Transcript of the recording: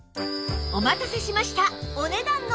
お待たせしました！